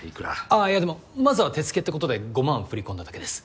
あぁいやでもまずは手付けってことで５万振り込んだだけです。